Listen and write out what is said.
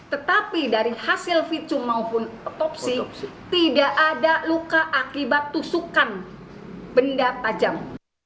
tetapi dari hasil visum maupun otopsi tidak ada luka akibat tusukan benda tajam